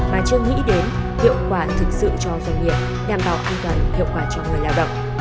mà chưa nghĩ đến hiệu quả thực sự cho doanh nghiệp đảm bảo an toàn hiệu quả cho người lao động